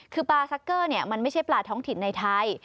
คือปลาซักเกอร์มันไม่ใช่ปลาท้องถิ่นในไทย